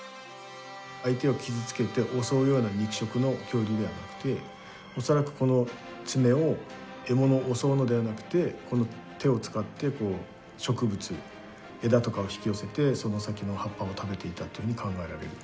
相手を傷つけて襲うような肉食の恐竜ではなくて恐らくこの爪を獲物を襲うのではなくてこの手を使って植物枝とかを引き寄せてその先の葉っぱを食べていたというふうに考えられる。